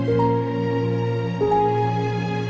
kau mau ngapain